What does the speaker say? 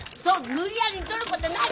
無理やり取ることない。